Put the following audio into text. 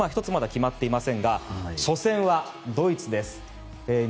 １つ、まだ決まっていませんが初戦はドイツです。